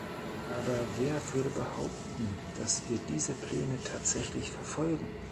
Aber wer würde behaupten, dass wir diese Pläne tatsächlich verfolgen?